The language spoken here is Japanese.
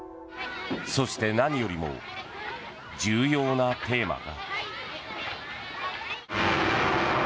そして何よりも重要なテーマが。